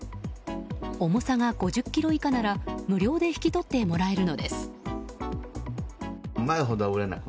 重さが５０ｋｇ以下なら無料で引き取ってもらえるのです。